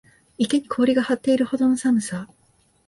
池に氷が張っているほどの寒さ